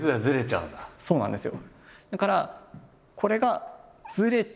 そうなんですよ。